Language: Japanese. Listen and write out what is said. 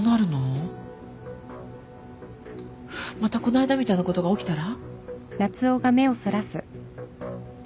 またこないだみたいなことが起きたら？